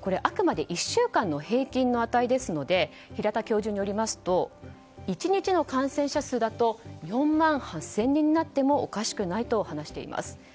これはあくまで１週間の平均の値ですので平田教授によりますと１日の感染者数だと４万８０００人になってもおかしくないと話しています。